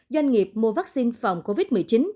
doanh nghiệp mua vaccine phòng covid một mươi chín